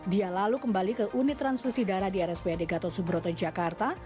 dia lalu kembali ke unit transfusi darah di rspad gatot subroto jakarta